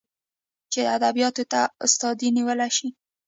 چې ادبياتو کې ته استادي نيولى شې.